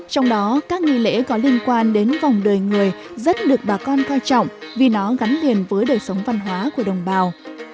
trong đó các nghi lễ có liên quan đến vòng đời người rất được bà con coi trọng vì nó gắn liền với đời sống văn hóa của đồng bào